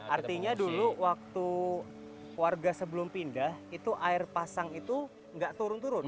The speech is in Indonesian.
artinya dulu waktu warga sebelum pindah itu air pasang itu nggak turun turun